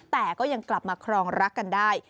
แต่ก็ยังกลับมาครองรักกันได้